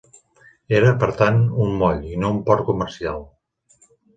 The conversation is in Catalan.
Era, per tant, un moll i no un port comercial.